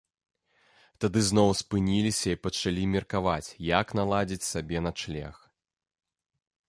Тады зноў спыніліся і пачалі меркаваць, як наладзіць сабе начлег.